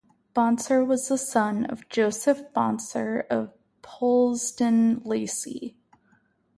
Bonsor was the son of Joseph Bonsor of Polesden Lacey.